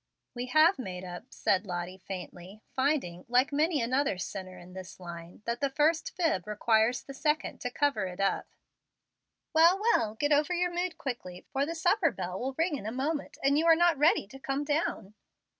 "We have made up," said Lottie faintly, finding, like many another sinner in this line, that the first fib requires the second to cover it up. "Well, well; get over your mood quickly, for the supper bell will ring in a moment, and you are not ready to come down."